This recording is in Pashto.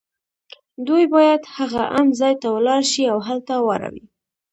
دوی باید هغه امن ځای ته ولاړ شي او هلته واړوي